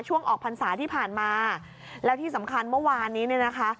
ออกพรรษาที่ผ่านมาแล้วที่สำคัญเมื่อวานนี้เนี่ยนะคะ